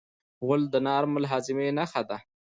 غول د نارمل هاضمې نښه ده.